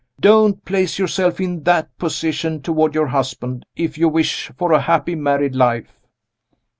Don't place yourself in that position toward your husband, if you wish for a happy married life."